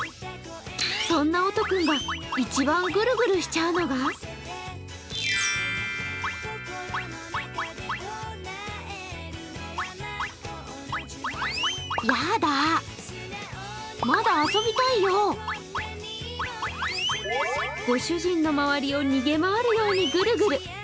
そんなオト君が一番ぐるぐるしちゃうのがご主人の周りを逃げ回るようにグルグル。